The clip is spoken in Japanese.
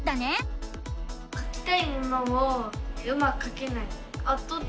かきたいものをうまくかけない。